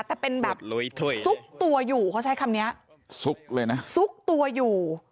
แต่เป็นแบบซุกตัวอยู่เขาใช้คำนี้ซุกเลยนะซุกตัวอยู่